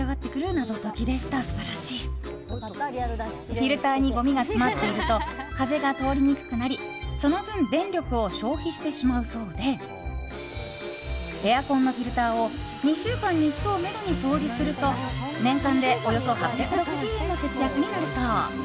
フィルターにごみが詰まっていると風が通りにくくなりその分電力を消費してしまうそうでエアコンのフィルターを２週間に一度をめどに掃除すると年間でおよそ８６０円の節約になるそう。